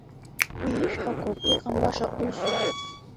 Уи ишәҳәақәо иҟамлаша усуп…